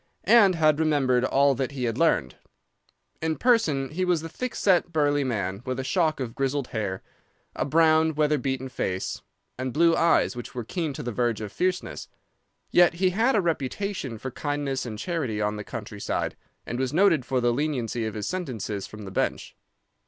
And had remembered all that he had learned. In person he was a thick set, burly man with a shock of grizzled hair, a brown, weather beaten face, and blue eyes which were keen to the verge of fierceness. Yet he had a reputation for kindness and charity on the country side, and was noted for the leniency of his sentences from the bench.